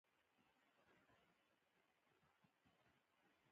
څادر باد وخوځاوه.